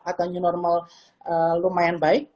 atau new normal lumayan baik